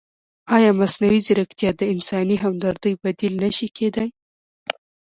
ایا مصنوعي ځیرکتیا د انساني همدردۍ بدیل نه شي کېدای؟